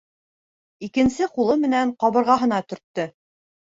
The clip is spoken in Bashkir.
Икенсе ҡулы менән ҡабырғаһына төрттө.